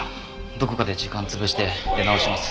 どこかで時間潰して出直します。